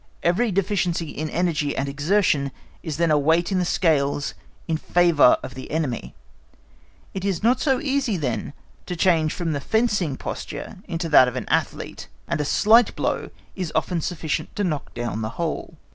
Every deficiency in energy and exertion is then a weight in the scales in favour of the enemy; it is not so easy then to change from the fencing posture into that of an athlete, and a slight blow is often sufficient to knock down the whole.